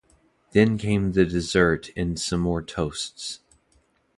Then came the dessert and some more toasts.